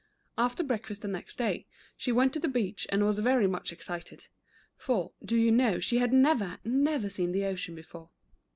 After breakfast the next day, she went to the beach, and was very much excited — for, do you know she had never, never seen the ocean before.